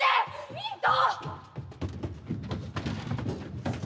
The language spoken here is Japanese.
ミント！